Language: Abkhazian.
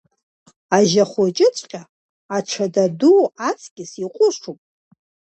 Ажьа хәҷыҵәҟьа, аҽада ду аҵкыс иҟәышуп.